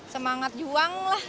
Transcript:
semangat juang lah